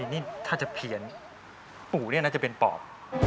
นี่ถ้าจะเพี้ยนปู่นี่น่าจะเป็นปอบ